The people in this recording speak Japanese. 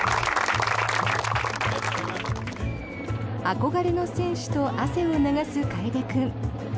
憧れの選手と汗を流す楓君。